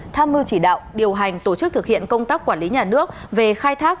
tham mưu chỉ đạo điều hành tổ chức thực hiện công tác quản lý nhà nước về khai thác